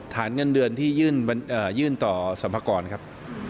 ฐานเงินเดือนที่ยื่นต่อสรรพากรครับ